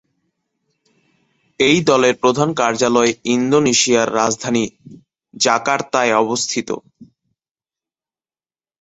এই দলের প্রধান কার্যালয় ইন্দোনেশিয়ার রাজধানী জাকার্তায় অবস্থিত।